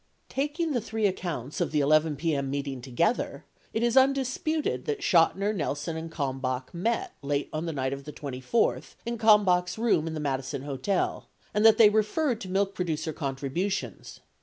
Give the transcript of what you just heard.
94 Taking the three accounts of the 11 p.m. meeting together, it is undisputed that Chotiner, Nelson, and Kalmbach met late on the night of the 24th in Kalmbach's room in the Madison Hotel, and that they referred to milk producer contributions.